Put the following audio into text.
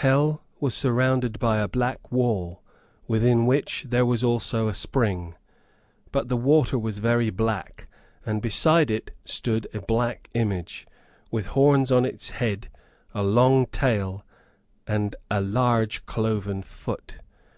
Hell was surrounded by a black wall, within which, there was also a spring; but the water was very black, and beside it stood a large black image, with horns on its head, a long tail, and a large cloven foot.